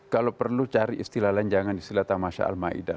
kalau perlu cari istilah lenjangan istilah tamasha al maida